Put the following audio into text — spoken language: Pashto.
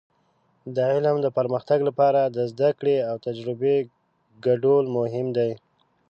د علم د پرمختګ لپاره د زده کړې او تجربې ګډول مهم دي.